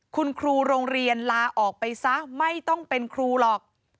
คุณครูโรงเรียนลาออกไปซะไม่ต้องเป็นครูหรอก